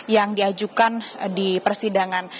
yang diajukan di persidangan